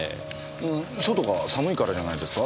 うーん外が寒いからじゃないですか？